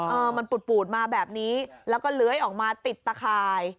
เออมันปูดปูดมาแบบนี้แล้วก็เลื้อยออกมาติดตะข่าย